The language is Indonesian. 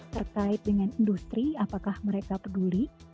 terkait dengan industri apakah mereka peduli